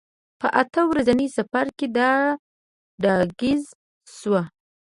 په اته ورځني سفر کې دا ډاګیزه شوه.